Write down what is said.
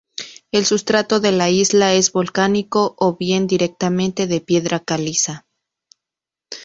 El sustrato de la isla es volcánico o bien directamente de piedra caliza.